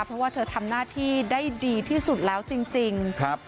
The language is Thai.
เพราะว่าเธอทำหน้าที่ได้ดีที่สุดแล้วจริงจริงครับ